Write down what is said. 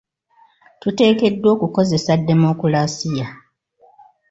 Tuteekeddwa okukozesa demokulasiya.